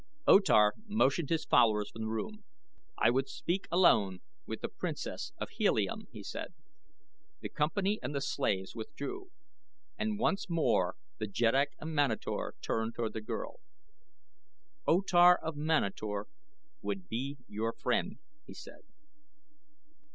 O Tar motioned his followers from the room. "I would speak alone with the Princess of Helium," he said. The company and the slaves withdrew and once more the Jeddak of Manator turned toward the girl. "O Tar of Manator would be your friend," he said.